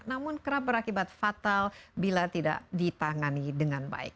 namun kerap berakibat fatal bila tidak ditangani dengan baik